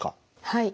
はい。